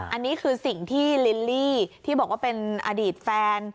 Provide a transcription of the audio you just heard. อันนี้คือสิ่งที่ลิลลี่ที่บอกว่าเป็นอดีตแฟน